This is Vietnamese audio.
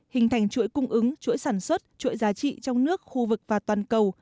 hình thành chuỗi cung ứng chuỗi sản xuất chuỗi giá trị trong nước khu vực và toàn cầu